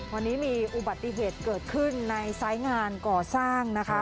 วันนี้มีอุบัติเหตุเกิดขึ้นในสายงานก่อสร้างนะคะ